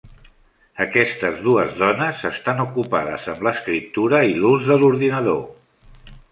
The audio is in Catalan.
Aquestes dues dones estan ocupades amb l'escriptura i l'ús de l'ordinador.